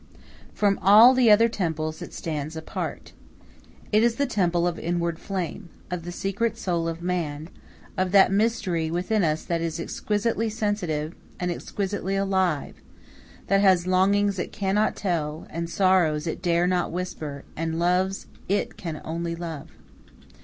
From all the other temples it stands apart. It is the temple of inward flame, of the secret soul of man; of that mystery within us that is exquisitely sensitive, and exquisitely alive; that has longings it cannot tell, and sorrows it dare not whisper, and loves it can only love.